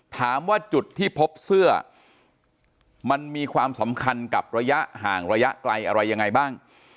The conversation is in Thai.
ถามว่าจุดที่พบเสื้อมันมีความสำคัญกับระยะห่างระยะไกลอะไรยังไงบ้าง